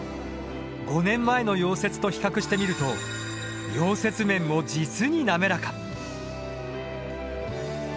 ５年前の溶接と比較してみると溶接面も実に滑らか。